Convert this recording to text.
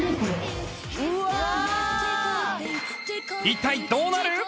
一体どうなる！？